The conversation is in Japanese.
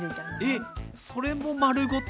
え⁉それも丸ごと？